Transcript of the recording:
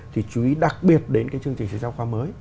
thì chú ý đặc biệt đến cái chương trình sách giáo khoa mới